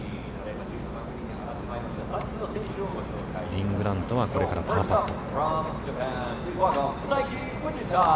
リン・グラントはこれからパーパット。